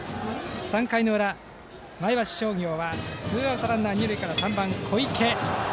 ３回の裏、前橋商業はツーアウトランナー、二塁から３番、小池。